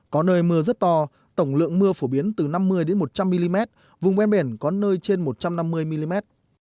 có nơi mưa rất to tổng lượng mưa phổ biến từ năm mươi một trăm linh mm vùng ven biển có nơi trên một trăm năm mươi mm